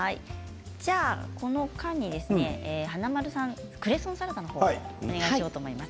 この間に華丸さん、クレソンサラダの方をお願いしようと思います。